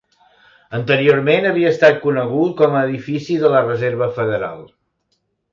Anteriorment havia estat conegut com a edifici de la Reserva Federal.